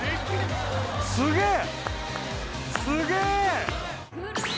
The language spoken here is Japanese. すげえ！